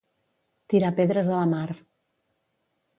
Tirar pedres a la mar.